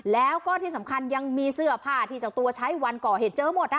แล้วก็ที่สำคัญยังมีเสื้อผ้าที่เจ้าตัวใช้วันก่อเหตุเจอหมด